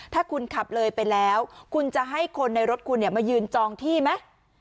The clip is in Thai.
ถ้าคุณขับเลยไปแล้วคุณจะให้คนในรถคุณมายืนจองที่ไหม